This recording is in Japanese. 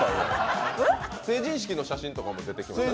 成人式の写真とかも出てきました。